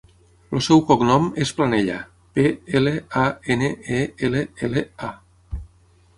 El seu cognom és Planella: pe, ela, a, ena, e, ela, ela, a.